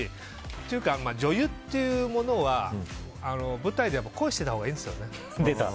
っていうか、女優ってものは舞台で恋してたほうがいいんですよね。